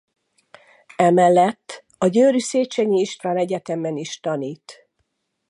Emellett a győri Széchenyi István Egyetemen is tanít.